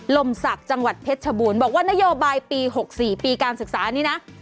ลมศักดิ์จังหวัดเพชรชบูรณ์บอกว่านโยบายปี๖๔ปีการศึกษานี้นะ